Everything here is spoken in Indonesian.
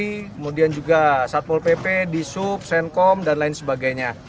kemudian juga satpol pp disub senkom dan lain sebagainya